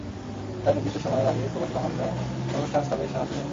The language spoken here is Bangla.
তাই নির্দিষ্ট সময়ের আগেই প্রবাসী বাঙালিরা অনুষ্ঠান স্থলে এসে হাজির হন।